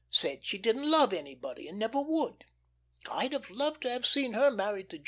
Said she didn't love anybody, and never would. I'd have loved to have seen her married to 'J.